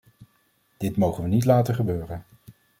Dit mogen we niet laten gebeuren.